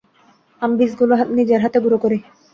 আমি বীজগুলো নিজের হাতে গুড়ো করি!